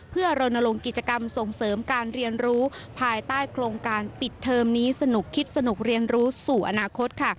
เพื่อรณรงค์กิจกรรมส่งเสริมการเรียนรู้ภายใต้โครงการปิดเทอมนี้สนุกคิดสนุกเรียนรู้สู่อนาคตค่ะ